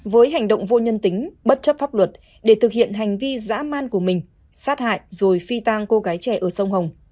với hành động vô nhân tính bất chấp pháp luật để thực hiện hành vi giã man của mình sát hại rồi phi tang cô gái trẻ ở sông hồng